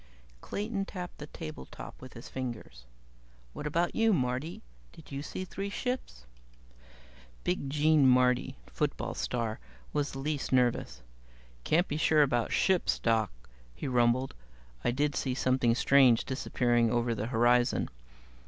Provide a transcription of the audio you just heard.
Clayton tapped the tabletop with his fingers. "What about you, Marty? Did you see three ships?" Big Gene Marty, football star, was the least nervous. "Can't be sure about ships, Doc," he rumbled. "I did see something strange disappearing over the horizon.